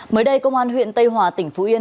mới đây công an huyện tây hòa tỉnh phú yên